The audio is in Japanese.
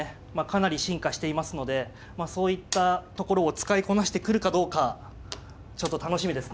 かなり進化していますのでそういったところを使いこなしてくるかどうかちょっと楽しみですね。